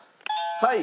はい。